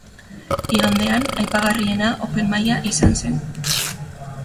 Igandean aipagarriena open maila izan zen.